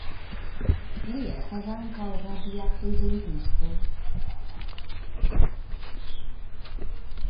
Li estas ankaŭ radia prezentisto.